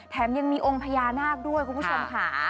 แถมยังมีองค์พญานาคด้วยคุณผู้ชมค่ะ